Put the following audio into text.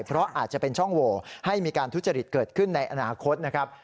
เพราะอาจจะเป็นช่องโหวให้มีการทุจริตเกิดขึ้นในอนาคตนะครับ